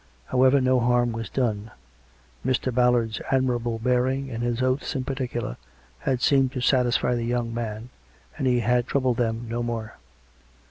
However, no harm was done: Mr, Ballard's admirable bearing, and his oaths in particular,, had seemed to satisfy the young man, and he had troubled tliem no more.